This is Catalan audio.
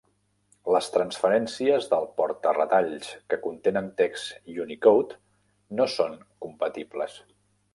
Les transferències del porta-retalls que contenen text Unicode no són compatibles.